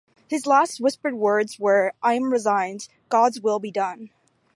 His last whispered words were: I am resigned; God's will be done.